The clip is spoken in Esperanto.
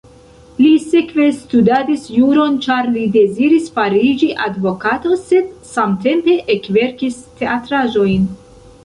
Li sekve studadis juron, ĉar li deziris fariĝi advokato, sed samtempe ekverkis teatraĵojn.